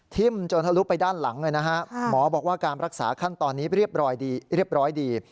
ทิ้มจนทะลุไปด้านหลังเลยนะฮะหมอบอกว่าการรักษาขั้นตอนนี้เรียบร้อยดี